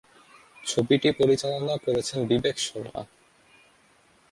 ছবিটি পরিচালনা করেছেন বিবেক শর্মা।